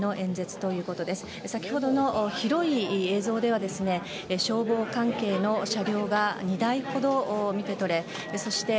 先ほどの広い映像では消防関係の車両が２台ほど見てとれそして